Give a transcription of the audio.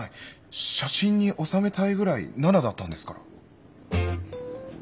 写真に収めたいぐらい７だったんですから。